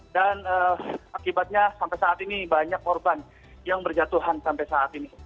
dan akibatnya sampai saat ini banyak korban yang berjatuhan sampai saat ini